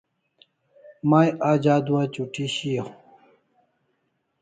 May aj adua chuti shiaw